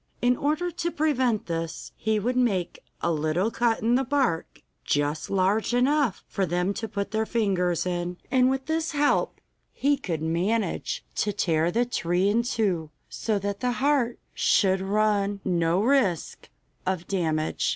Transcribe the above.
In order to prevent this, he would make a little cut in the bark, just large enough for them to put their fingers in, and with this help he could manage to tear the tree in two, so that the heart should run no risk of damage.